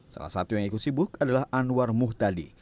salah satu yang ikut sibuk adalah anwar muhtadi